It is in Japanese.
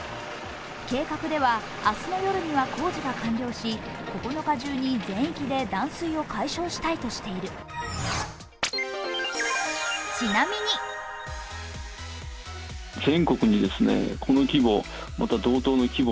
計画では明日の夜には工事が完了し、９日中に全域で断水を解消したいとしている。